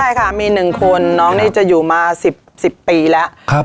ใช่ค่ะมี๑คนน้องนี่จะอยู่มา๑๐ปีแล้ว